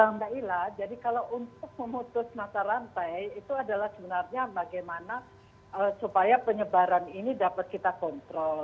mbak ila jadi kalau untuk memutus mata rantai itu adalah sebenarnya bagaimana supaya penyebaran ini dapat kita kontrol